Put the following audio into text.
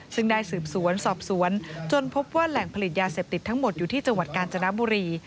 ซึ่งได้สืบสวนสอบสวนจนพบว่าแหล่งผลิตยาเสพติดทั้งหมดอยู่ที่จังหวัดกาญจนบุรี